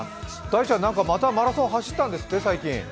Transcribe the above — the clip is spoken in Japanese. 大ちゃん、また最近マラソン走ったんですって？